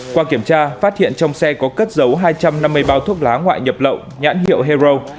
qua kiểm tra phát hiện trong xe có cất dấu hai trăm năm mươi bao thuốc lá ngoại nhập lậu nhãn hiệu hero